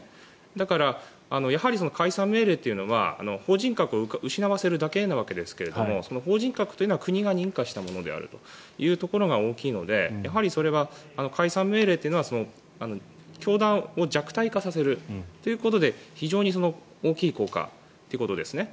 だから、解散命令というのは法人格を失わせるだけのわけですが法人格というのは国が認可したものであるというところが大きいのでやはりそれは解散命令というのは教団を弱体化させるということで非常に大きい効果ということですね。